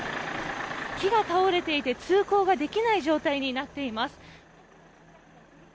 木が倒れていて通行ができない状態になっています。